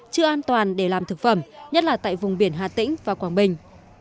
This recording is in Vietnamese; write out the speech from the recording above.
chưa an toàn để làm thực phẩm nhất là tại vùng biển hà tĩnh và quảng bình